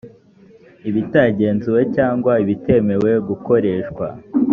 ibitagenzuwe cyangwa ibitemewe gukoreshwa